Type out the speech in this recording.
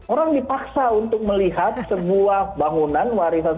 orang dipaksa untuk melihat sebuah bangunan warisan